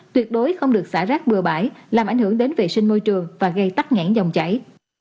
tuyệt đối không được xả rác bừa bãi làm ảnh hưởng đến vệ sinh môi trường và gây tắc nghẽn dòng chảy